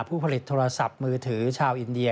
ผู้ผลิตโทรศัพท์มือถือชาวอินเดีย